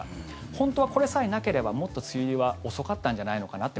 本当はこれさえなければもっと梅雨入りは遅かったんじゃないのかなって